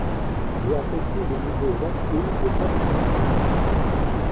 Voir aussi le musée Zadkine de Paris.